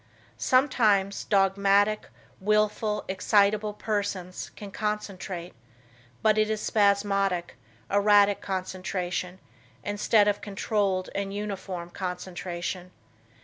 Sometimes dogmatic, wilful, excitable persons can concentrate, but it is spasmodic, erratic concentration instead of controlled and uniform concentration.